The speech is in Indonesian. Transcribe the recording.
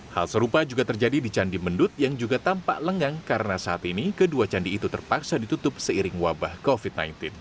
hal serupa juga terjadi di candi mendut yang juga tampak lengang karena saat ini kedua candi itu terpaksa ditutup seiring wabah covid sembilan belas